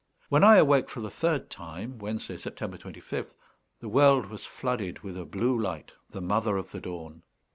When I awoke for the third time (Wednesday, September 25th), the world was flooded with a blue light, the mother of the dawn.